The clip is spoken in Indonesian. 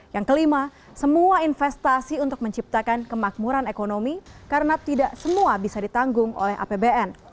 yang kelima semua investasi untuk menciptakan kemakmuran ekonomi karena tidak semua bisa ditanggung oleh apbn